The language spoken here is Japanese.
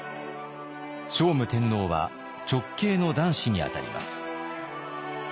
聖武天皇は直系の男子にあたります。